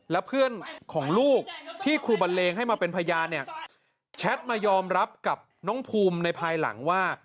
แล้วเพื่อนของลูกที่ครูบันเลงให้มาเป็นพยานเนี่ยแชทมายอมรับกับน้องภูมิในภายหลังว่า